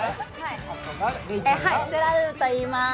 ステラ・ルーといいます。